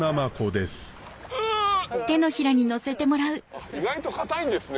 あっ意外と硬いんですね。